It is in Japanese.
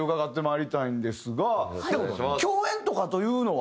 共演とかというのは？